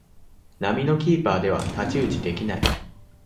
並みのキーパーでは太刀打ちできない